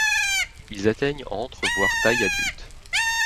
Ils atteignent entre voir taille adulte.